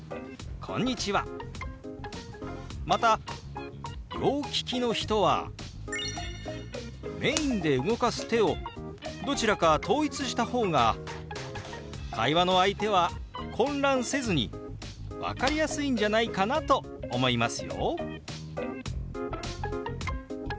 また両利きの人はメインで動かす手をどちらか統一した方が会話の相手は混乱せずに分かりやすいんじゃないかなと思いますよ！